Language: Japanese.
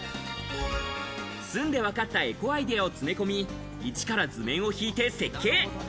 住んでわかったエコアイデアを詰め込み、イチから図面を引いて設計。